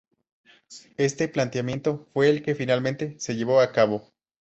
Este planteamiento fue el que finalmente se llevó a cabo.